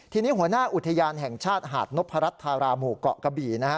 ทีนี้หัวหน้าอุทยานแห่งชาติหาดนพรัชธาราหมู่เกาะกะบี่นะฮะ